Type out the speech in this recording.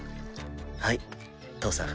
はい義父さん。